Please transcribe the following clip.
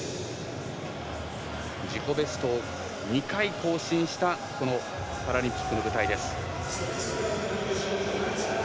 自己ベストを２回更新したこのパラリンピックの舞台です。